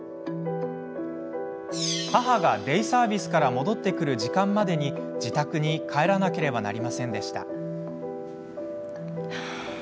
母がデイサービスから戻ってくる時間までに自宅に帰らなければなりませんでした。